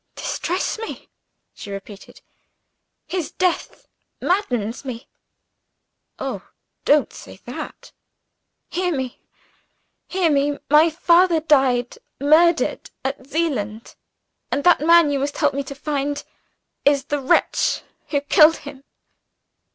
"Distress me?" she repeated. "His death maddens me!" "Oh, don't say that!" "Hear me! hear me! My father died murdered, at Zeeland and the man you must help me to find is the wretch who killed him."